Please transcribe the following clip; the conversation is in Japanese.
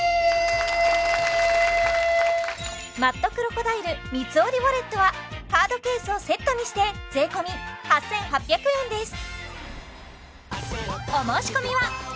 マットクロコダイル三つ折りウォレットはカードケースをセットにして税込８８００円です